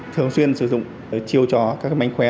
thường xuyên sử dụng chiêu trò các mánh khóe